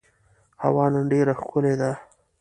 هوا نن ډېره ښکلې ده.